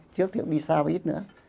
trước thì cũng đi xa và ít nữa